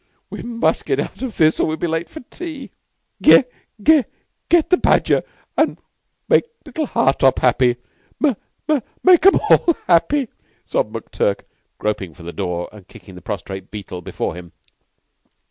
We must get out of this or we'll be late for tea." "Ge Ge get the badger and make little Hartopp happy. Ma ma make 'em all happy," sobbed McTurk, groping for the door and kicking the prostrate Beetle before him.